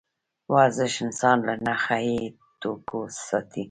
ورزش انسان له نشه يي توکو ساتي.